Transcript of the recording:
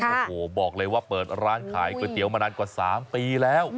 โอ้โหบอกเลยว่าเปิดร้านขายก๋วยเตี๋ยวมานานกว่า๓ปีแล้ว